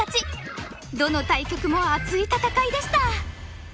どの対局も熱い戦いでした。